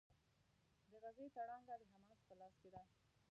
د غزې تړانګه د حماس په لاس کې ده.